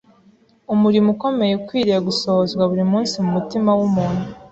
Umurimo ukomeye ukwiriye gusohozwa buri munsi mu mutima w’umuntu